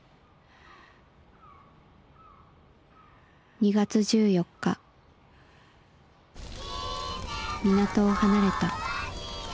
「２月１４日港を離れた。